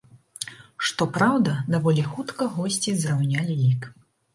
Што праўда, даволі хутка госці зраўнялі лік.